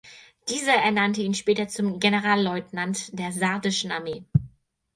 Dieser ernannte ihn später zum Generalleutnant der sardischen Armee.